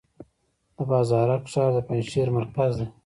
د بازارک ښار د پنجشیر مرکز دی